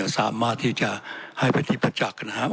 สามารถที่จะให้เป็นที่ประจักษ์นะครับ